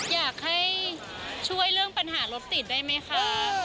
อยากให้ช่วยเรื่องปัญหารถติดได้ไหมคะ